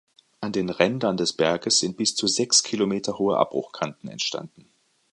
An den Rändern des Berges sind bis zu sechs Kilometer hohe Abbruchkanten entstanden.